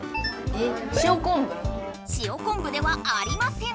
塩コンブではありません！